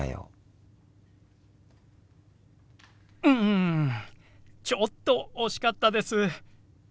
うんちょっと惜しかったです。